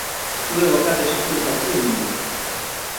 اُئي وکت اُ اسڪول ڪچيٚ هُݩدي۔